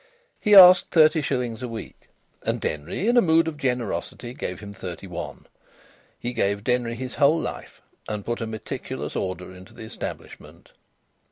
He asked thirty shillings a week, and Denry in a mood of generosity gave him thirty one. He gave Denry his whole life, and put a meticulous order into the establishment.